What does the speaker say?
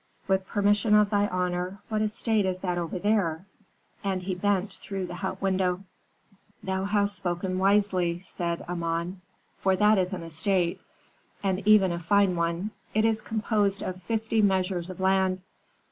With permission of thy honor, what estate is that over there?' and he bent through the hut window. "'Thou hast spoken wisely,' said Amon, 'for that is an estate, and even a fine one. It is composed of fifty measures of land.